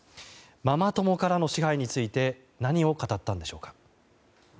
ママ友からの支配について何を語ったんでしょうか。